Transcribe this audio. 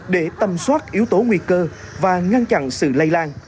để tâm soát yếu tố nguy cơ và ngăn chặn sự lây lan